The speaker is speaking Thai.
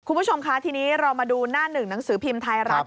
คุณผู้ชมคะทีนี้เรามาดูหน้าหนึ่งหนังสือพิมพ์ไทยรัฐ